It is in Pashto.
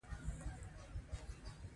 هله ګرانه ترموز راوړه !